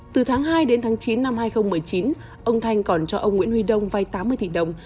từ tháng hai đến tháng chín năm hai nghìn một mươi chín ông thanh còn cho ông nguyễn huy đông vay tám mươi tỷ đồng